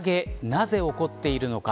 なぜ起こっているのか。